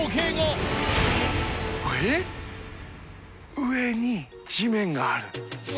上に地面がある。